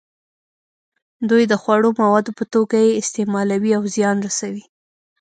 دوی د خوړو موادو په توګه یې استعمالوي او زیان رسوي.